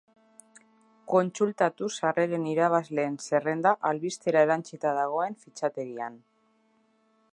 Kontsultatu sarreren irabazleen zerrenda albistera erantsita dagoen fitxategian.